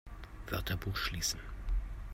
Wörterbuch schließen!